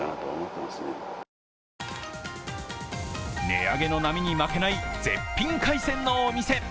値上げの波に負けない絶品海鮮のお店。